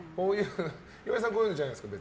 岩井さんはこういうのじゃないですか？